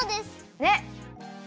ねっ！